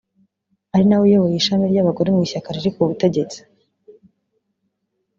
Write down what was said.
ari nawe uyoboye ishami ry’abagore mu ishyaka riri ku butegetsi